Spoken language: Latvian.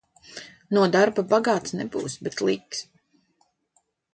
No darba bagāts nebūsi, bet līks.